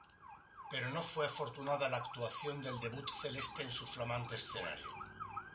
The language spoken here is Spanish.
Pero no fue afortunada la actuación del debut celeste en su flamante escenario.